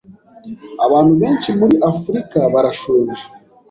Abantu benshi muri Afrika barashonje.